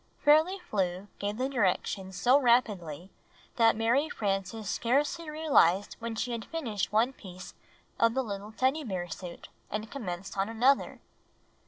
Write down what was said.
Fairly Flew gave the directions so rapidly that Mary Frances scarcely realized when she finished one piece of the Httle Teddy Bear suit and commenced on another.